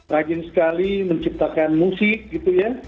rajin sekali menciptakan musik gitu ya